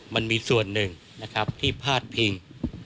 มันมีส่วนหนึ่งที่พลาดพิง